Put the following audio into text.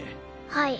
はい。